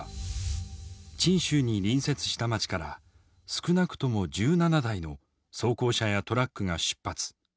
チン州に隣接した町から少なくとも１７台の装甲車やトラックが出発。